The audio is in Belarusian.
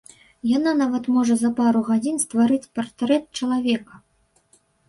Яна нават можа за пару гадзін стварыць партрэт чалавека.